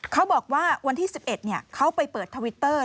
เขาบอกว่าวันที่๑๑เขาไปเปิดทวิตเตอร์